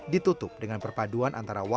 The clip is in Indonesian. ditutup dengan perpaduan antara wajah dan kemampuan